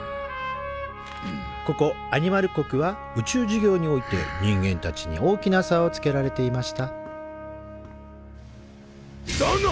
ここアニマル国は宇宙事業において人間たちに大きな差をつけられていましただが！